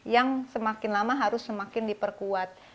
yang semakin lama harus semakin diperkuat